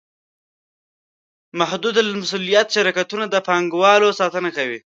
محدودالمسوولیت شرکتونه د پانګوالو ساتنه کوي.